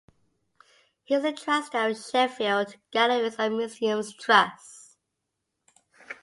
He is a trustee of Sheffield Galleries and Museums Trust.